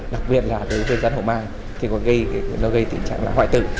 đặc biệt là với rắn hổ mang thì nó gây tình trạng là hoại tử